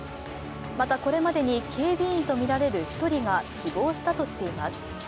また、これまでに警備員とみられる１人が死亡したとしています。